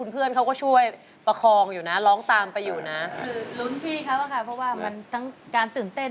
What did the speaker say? เพราะอะไรคะ